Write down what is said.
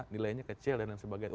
nilainya kecil dan sebagainya